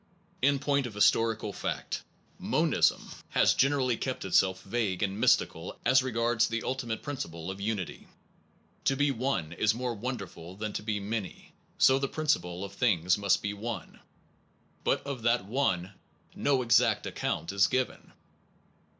In point of historical fact monism has gen 115 SOME PROBLEMS OF PHILOSOPHY erally kept itself vague and mystical as regards the ultimate principle of unity. To be One is Kinds of more wonderful than to be many, so the principle of things must be One, but of that One no exact account is given.